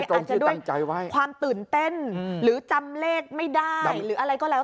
อาจจะด้วยความตื่นเต้นหรือจำเลขไม่ได้หรืออะไรก็แล้ว